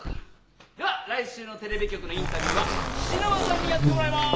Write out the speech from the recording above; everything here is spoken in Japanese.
では来週のテレビ局のインタビューは菱沼さんにやってもらいます。